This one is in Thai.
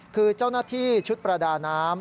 คือเจ้าหน้าที่ชุดประดาน้ำ